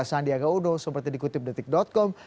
sandiaga uno seperti dikutip dtkom